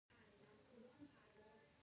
آیا ایران کلتوري مرکزونه نلري؟